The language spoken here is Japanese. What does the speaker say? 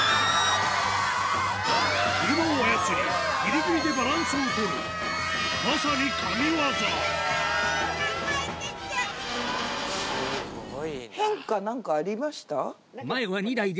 車を操りギリギリでバランスを取るまさに神業サンタイ。